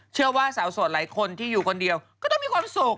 เชื่อว่าสาวโสดหลายคนที่อยู่คนเดียวก็ต้องมีความสุข